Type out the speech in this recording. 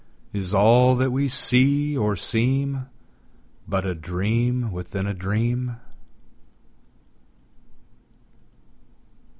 Is all that we see or seem But a dream within a dream?